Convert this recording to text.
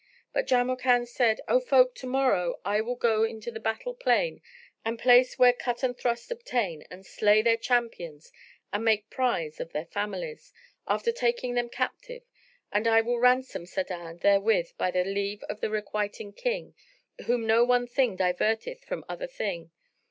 But Jamrkan said, "O folk, to morrow I will go forth into the battle plain and place where cut and thrust obtain, and slay their champions and make prize of their families after taking them captives and I will ransom Sa'adan therewith, by the leave of the Requiting King, whom no one thing diverteth from other thing!"